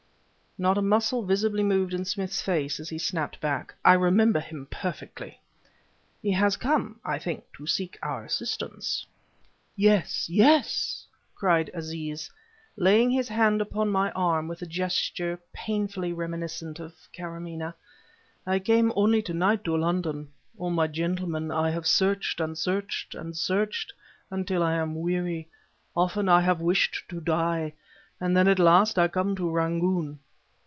Not a muscle visibly moved in Smith's face, as he snapped back: "I remember him perfectly." "He has come, I think, to seek our assistance." "Yes, yes!" cried Aziz laying his hand upon my arm with a gesture painfully reminiscent of Karamaneh "I came only to night to London. Oh, my gentlemen! I have searched, and searched, and searched, until I am weary. Often I have wished to die. And then at last I come to Rangoon..."